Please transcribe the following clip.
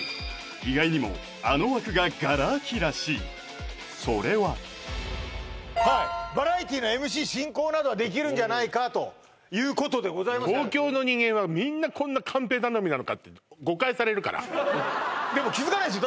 意外にもあの枠がガラ空きらしいそれははいバラエティのＭＣ・進行などはできるんじゃないかということでございまして東京の人間はみんなこんなカンペ頼みなのかって誤解されるからでも気づかないですよ